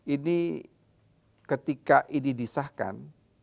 ini ketika ini disahkan